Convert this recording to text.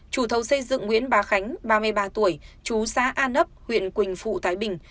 chủ thầu xây dựng nguyễn bá khánh ba mươi ba tuổi chú xã an ấp huyện quỳnh phụ thái bình